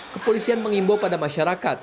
kepolisian mengimbau pada masyarakat